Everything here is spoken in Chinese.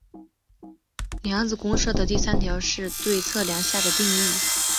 量子公设的第三条是对测量下的定义。